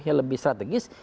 yang lebih strategis